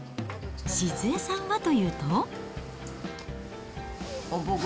静恵さんはというと。